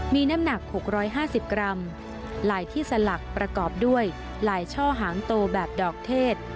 มีน้ำหนัก๖๕๐กรัมลายที่สลักประกอบด้วยลายช่อหางโตแบบดอกเทศ